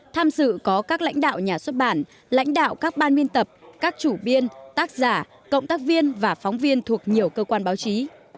tham dự có các lãnh đạo nhà xuất bản lãnh đạo các ban biên tập các chủ biên tác giả cộng tác viên và phóng viên thuộc nhiều cơ quan báo chí